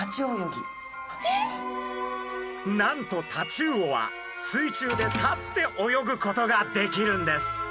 なんとタチウオは水中で立って泳ぐことができるんです。